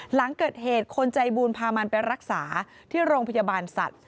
หลังเกิดเหตุคนใจบุญพามันไปรักษาที่โรงพยาบาลสัตว์